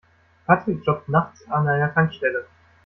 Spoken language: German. Patrick jobbt nachts an einer Tankstelle.